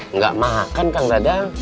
enggak makan kang radang